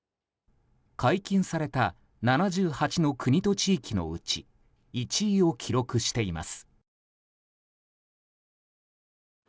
解禁された７８の国と地域のうち１位を記録しています。